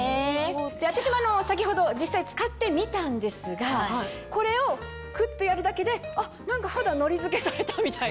私も先ほど実際使ってみたんですがこれをクッとやるだけで何か肌のり付けされたみたいな。